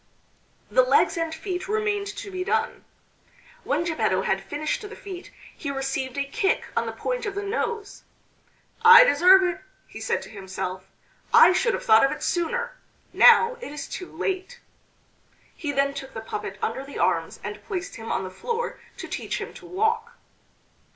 The legs and feet remained to be done. When Geppetto had finished the feet he received a kick on the point of the nose. "I deserve it!" he said to himself; "I should have thought of it sooner! Now it is too late!" He then took the puppet under the arms and placed him on the floor to teach him to walk.